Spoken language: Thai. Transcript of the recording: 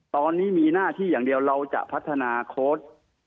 ตอนนี้มีหน้าที่อย่างเดียวเราจะพัฒนาโค้ด